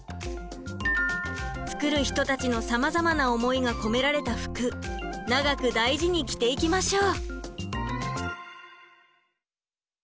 作る人たちのさまざま思いが込められた服長く大事に着ていきましょう。